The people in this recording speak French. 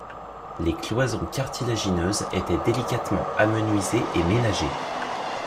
Les cloisons cartilagineuses étaient délicatement amenuisées et ménagées.